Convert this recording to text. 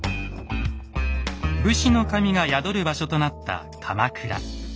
武士の神が宿る場所となった鎌倉。